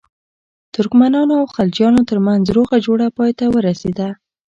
ترکمنانو او خلجیانو ترمنځ روغه جوړه پای ته ورسېده.